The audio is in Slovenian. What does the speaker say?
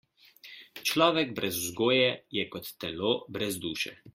Človek brez vzgoje je kot telo brez duše.